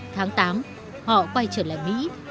tháng tám họ quay trở lại mỹ